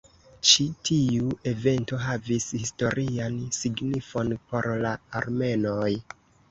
Ĉi tiu evento havis historian signifon por la armenoj.